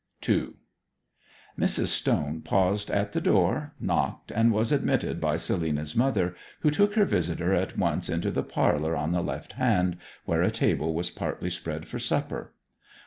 II Mrs. Stone paused at the door, knocked, and was admitted by Selina's mother, who took her visitor at once into the parlour on the left hand, where a table was partly spread for supper.